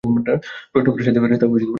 প্রশ্ন করার সাথেই ফেরেশতা অদৃশ্য হয়ে গেলেন।